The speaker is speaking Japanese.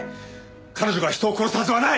彼女が人を殺すはずはない！